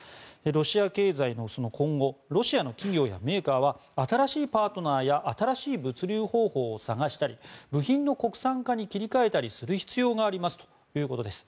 ロシア経済の今後ロシアの企業やメーカーは新しいパートナーや新しい物流方法を探したり部品の国産化に切り替えたりする必要がありますということです。